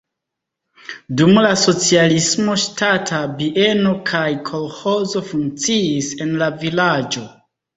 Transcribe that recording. Dum la socialismo ŝtata bieno kaj kolĥozo funkciis en la vilaĝo.